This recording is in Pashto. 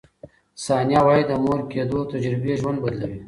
ثانیه وايي، د مور کیدو تجربې ژوند بدلوي.